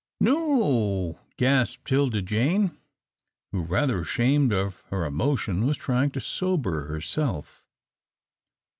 "No o o," gasped 'Tilda Jane, who, rather ashamed of her emotion, was trying to sober herself.